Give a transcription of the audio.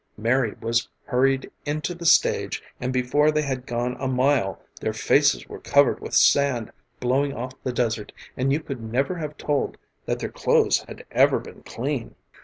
Mary was hurried into the stage and before they had gone a mile their faces were covered with sand blowing off the desert and you could never have told that their clothes had ever been clean.